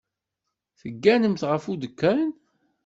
Tegganemt ɣef udekkan.